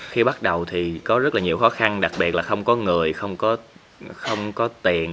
khi bắt đầu thì có rất là nhiều khó khăn đặc biệt là không có người không có tiền